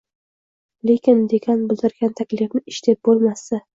Lekin dekan bildirgan taklifni ish deb bo`lmasdi